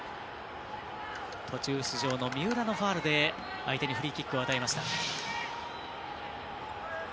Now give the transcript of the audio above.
途中出場の三浦のファウルで相手にフリーキックを与えました。